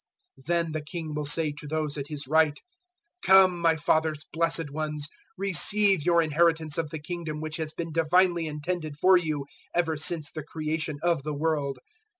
025:034 "Then the King will say to those at His right, "`Come, my Father's blessed ones, receive your inheritance of the Kingdom which has been divinely intended for you ever since the creation of the world.